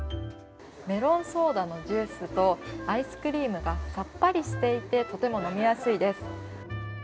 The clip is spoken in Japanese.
メロンソーダのジュースとアイスクリームがさっぱりしていてとても飲みやすいです。